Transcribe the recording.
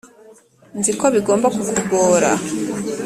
nzi ko ibi bigomba kukugora.